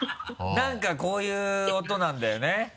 何かこういう音なんだよね。